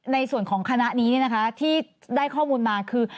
ในส่วนของคณะนี้ที่ได้ข้อมูลมาคือ